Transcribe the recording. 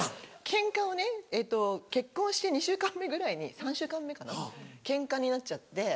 ケンカをね結婚して２週間目ぐらいに３週間目かなケンカになっちゃって。